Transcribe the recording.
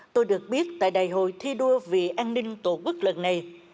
tôi được biết tại đại hội thi đua vì an ninh tổ quốc lần này